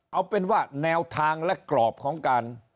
เอาเป็นว่าแนวทางและกรอบของการ